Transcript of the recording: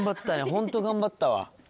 ホント頑張ったわ。